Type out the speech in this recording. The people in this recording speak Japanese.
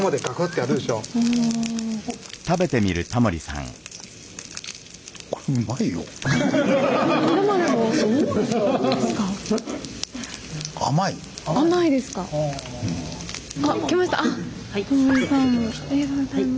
ありがとうございます。